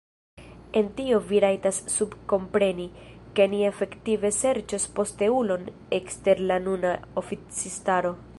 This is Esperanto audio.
En tio vi rajtas subkompreni, ke ni efektive serĉos posteulon ekster la nuna oficistaro.